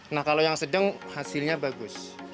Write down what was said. nah kalau yang sedang hasilnya bagus